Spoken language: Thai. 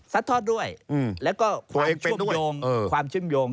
ซัดทอดด้วยแล้วก็ความช่วงโยง